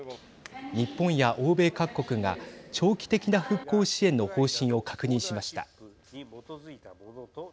日本や欧米各国が、長期的な復興支援の方針を確認しました。